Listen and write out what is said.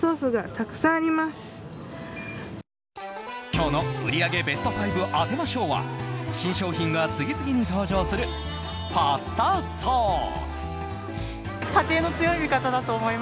今日の、売り上げベスト５当てましょう！は新商品が次々に登場するパスタソース。